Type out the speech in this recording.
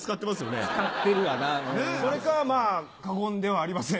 ねっそれかまぁ「過言ではありません」。